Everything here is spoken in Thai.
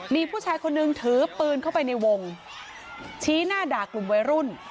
มีผู้ชายคนนึงถือปืนเข้าไปในวงชี้หน้าด่ากลุ่มวัยรุ่น